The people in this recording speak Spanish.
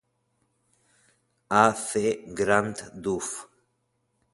A. C. Grant Duff.